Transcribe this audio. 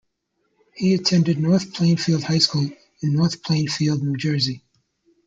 He attended North Plainfield High School in North Plainfield, New Jersey.